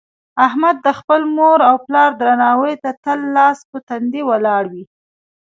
احمد د خپل مور او پلار درناوي ته تل لاس په تندي ولاړ وي.